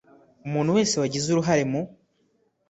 Umuntu wese wagize uruhare mu